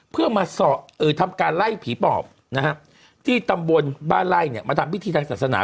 เพื่อมาทำการไล่ผีปอบนะฮะที่ตำบลบ้านไล่เนี่ยมาทำพิธีทางศาสนา